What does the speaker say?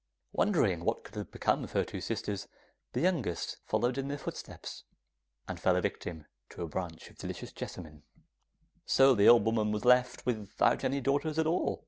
Wondering what could have become of her two sisters, the youngest followed in their footsteps, and fell a victim to a branch of delicious white jessamine. So the old woman was left without any daughters at all.